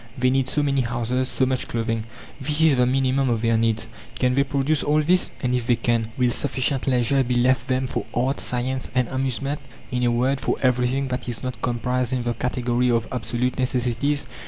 They need so many houses, so much clothing. This is the minimum of their needs. Can they produce all this? and if they can, will sufficient leisure be left them for art, science, and amusement? in a word, for everything that is not comprised in the category of absolute necessities?